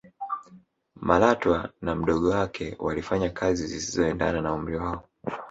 malatwa na mdogo wake walifanya kazi zisizoendana na umri wao